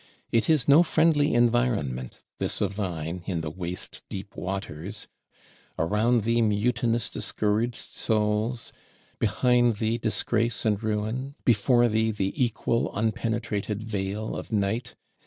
it is no friendly environment, this of thine, in the waste deep waters; around thee mutinous discouraged souls, behind thee disgrace and ruin, before thee the equal, unpenetrated veil of Night.